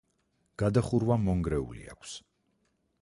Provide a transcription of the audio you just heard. გადახურვა მონგრეული აქვს.